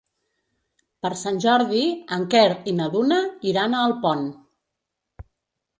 Per Sant Jordi en Quer i na Duna iran a Alpont.